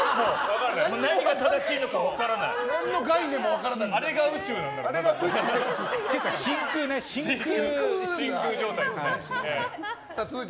何が正しいのか分かんない。